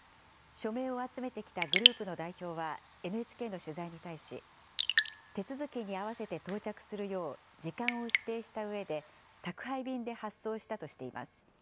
署名を集めてきたグループの代表は、ＮＨＫの取材に対し、手続きに合わせて到着するよう時間を指定したうえで、宅配便で発送したとしています。